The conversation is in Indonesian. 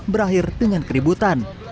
berakhir dengan keributan